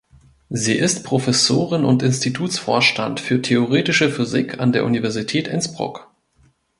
Sie ist Professorin und Institutsvorstand für theoretische Physik an der Universität Innsbruck.